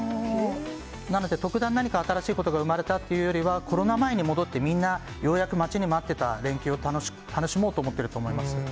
なので特段、何か新しいものが生まれたっていうよりは、コロナ前に戻って、みんな、ようやく待ちに待ってた連休を楽しもうと思ってると思います。